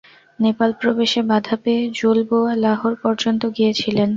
নেপাল-প্রবেশে বাধা পেয়ে জুল বোয়া লাহোর পর্যন্ত গিয়েছিলেন।